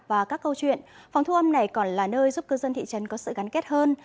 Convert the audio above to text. và các câu chuyện phòng thu âm này còn là nơi giúp cư dân thị trấn có sự gắn kết hơn